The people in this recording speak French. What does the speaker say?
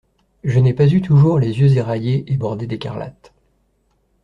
Je n’ai pas eu toujours les yeux éraillés et bordés d’écarlate.